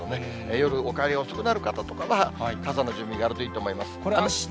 夜、お帰りが遅くなる方とかは、傘の準備があるといいと思います。